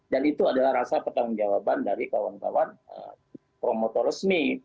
dan itu adalah rasa bertanggung jawaban dari kawan kawan promotor resmi